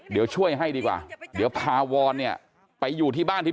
เดี๋ยวช่วยให้ดีกว่า